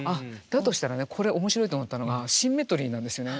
だとしたらこれ面白いと思ったのがシンメトリーなんですよね